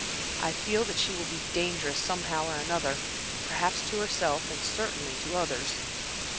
I feel that she will be dangerous, somehow or another, perhaps to herself, and certainly to others."